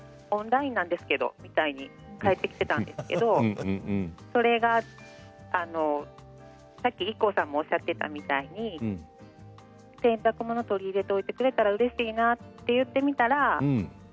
オンラインなんですけどみたいに返ってきたんですけどそれがさっきＩＫＫＯさんもおっしゃってたみたいに洗濯物を取り入れておいてくれたらうれしいなと言ってみたらＯＫ！